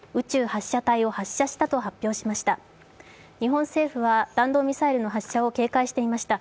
日本政府は弾道ミサイルの発射を警戒していました。